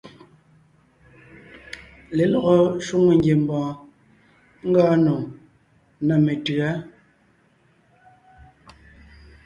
Lelɔgɔ shwòŋo ngiembɔɔn ngɔɔn nò ná metʉ̌a.